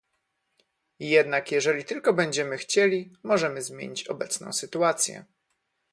Jednak jeżeli tylko będziemy chcieli, możemy zmienić obecną sytuację